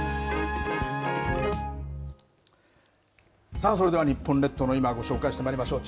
さあ、それでは日本列島の今をご紹介してまいりましょう。